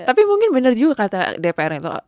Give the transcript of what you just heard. tapi mungkin benar juga kata dpr itu